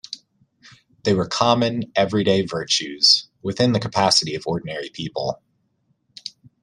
They were common, everyday virtues, within the capacity of ordinary people.